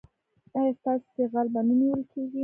ایا ستاسو غل به نه نیول کیږي؟